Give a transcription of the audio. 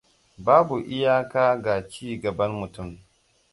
Babu iyaka ga ci gaban mutum.